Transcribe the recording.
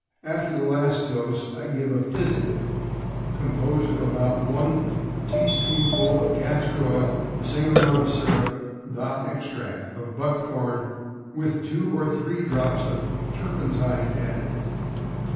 After the last dose I give a physic, composed of about one tea spoonful of castor oil, the same amount of syrup (not ex tract) of buckthorn, with two or three drops of turpentine added.